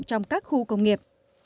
trong các khu công nghiệp